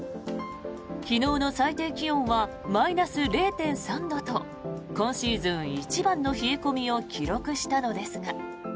昨日の最低気温はマイナス０．３度と今シーズン一番の冷え込みを記録したのですが。